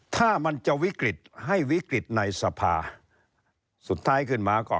ถ้ามันจะวิกฤตให้วิกฤตในสภาสุดท้ายขึ้นมาก็